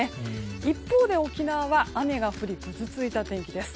一方で沖縄は雨が降りぐずついた天気です。